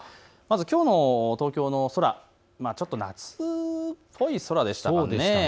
きょうの東京の空、夏っぽい空でしたね。